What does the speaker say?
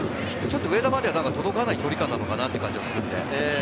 上田まで届かない距離感なのかなっていう感じがしますね。